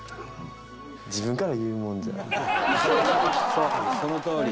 「そうそのとおり。